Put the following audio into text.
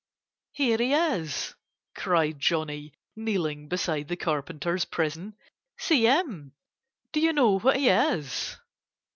"Here he is!" cried Johnnie, kneeling beside the Carpenter's prison. "See him! Do you know what he is?"